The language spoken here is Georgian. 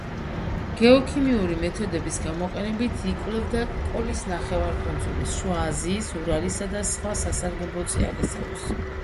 გეოქიმიური მეთოდების გამოყენებით იკვლევდა კოლის ნახევარკუნძულის, შუა აზიის, ურალისა და სხვა სასარგებლო წიაღისეულს.